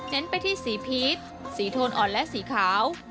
ไปที่สีพีชสีโทนอ่อนและสีขาว